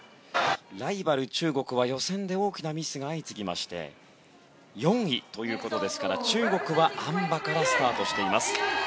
ライバル中国は予選で大きなミスが相次ぎまして４位ということですから中国はあん馬からスタートです。